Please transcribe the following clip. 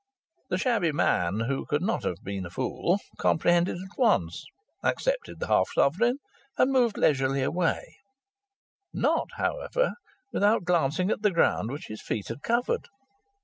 The shabby man, who could not have been a fool, comprehended at once, accepted the half sovereign, and moved leisurely away not, however, without glancing at the ground which his feet had covered.